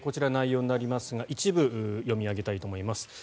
こちら内容になりますが一部読み上げたいと思います。